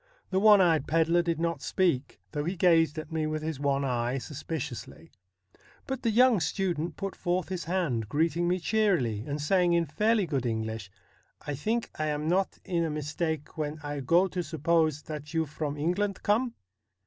The one eyed pedlar did not speak, though he gazed at me with his one eye suspiciously ; but the young student put forth his hand, greeting me cheerily, and saying in fairly good English :' I think I am not in a mistake when I go to suppose that you from England come